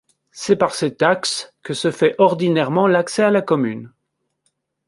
C'est par cet axe que se fait ordinairement l'accès à la commune.